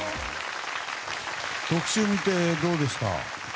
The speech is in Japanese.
特集見てどうでしたか？